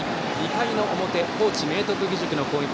２回の表、高知・明徳義塾の攻撃。